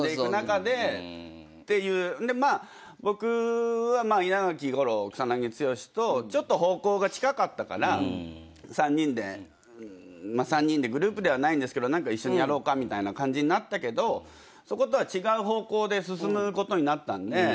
でまあ僕は稲垣吾郎草剛とちょっと方向が近かったから３人でグループではないんですけど何か一緒にやろうかみたいな感じになったけどそことは違う方向で進むことになったんで。